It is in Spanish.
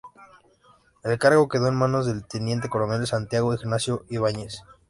El cargo quedó en manos del teniente coronel Santiago Ignacio Ibáñez.